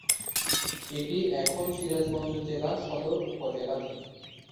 এটি এখন সিরাজগঞ্জ জেলা সদর উপজেলাধীন।